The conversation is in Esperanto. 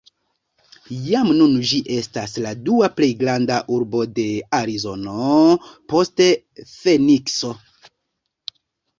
Jam nun ĝi estas la dua plej granda urbo de Arizono, post Fenikso.